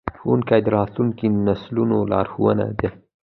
ښوونکي د راتلونکو نسلونو لارښوونکي دي.